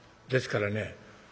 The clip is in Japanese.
ですからね